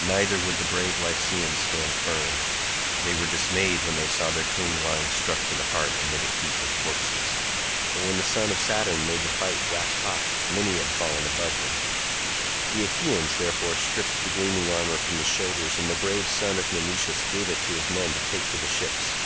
Neither would the brave Lycians stand firm; they were dismayed when they saw their king lying struck to the heart amid a heap of corpses—for when the son of Saturn made the fight wax hot many had fallen above him. The Achaeans, therefore stripped the gleaming armour from his shoulders and the brave son of Menoetius gave it to his men to take to the ships.